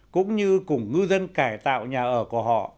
cũng như cùng ngư dân cải tạo nhà ở của họ